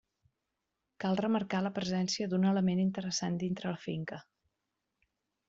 Cal remarcar la presència d'un element interessant dintre la finca.